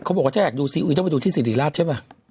บอกว่าถ้าอยากดูซีอุยต้องไปดูที่สิริราชใช่ไหม